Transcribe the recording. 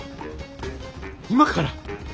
今から？